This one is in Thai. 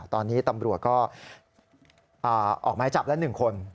ตอนนี้ตำรวจก็ออกหมายจับละ๑คน